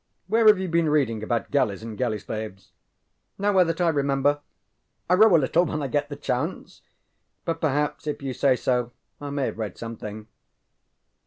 Where have you been reading about galleys and galley slaves? ŌĆØ ŌĆ£Nowhere that I remember. I row a little when I get the chance. But, perhaps, if you say so, I may have read something.